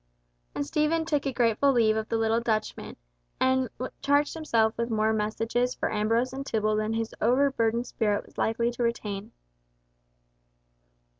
And Stephen took a grateful leave of the little Dutchman, and charged himself with more messages for Ambrose and Tibble than his overburdened spirit was likely to retain.